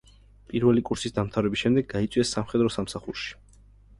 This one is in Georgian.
პირველი კურსის დამთავრების შემდეგ, გაიწვიეს სამხედრო სამსახურში.